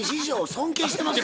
尊敬してます。